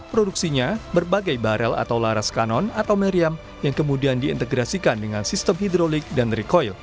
produksinya berbagai barel atau laras kanon atau meriam yang kemudian diintegrasikan dengan sistem hidrolik dan rekoil